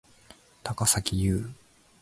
高咲侑